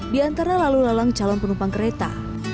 di antara lalu lalang calon penumpang kereta